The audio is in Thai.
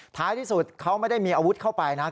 ท้ายที่สุดเขาไม่ได้มีอาวุธเข้าไปนะ